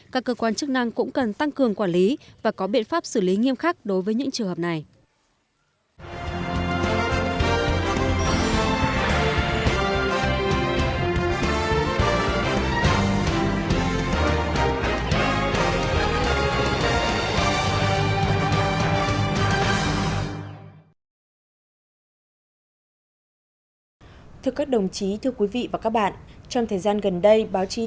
các cơ quan chức năng cũng cần tăng cường quản lý và có biện pháp xử lý nghiêm khắc đối với những trường hợp này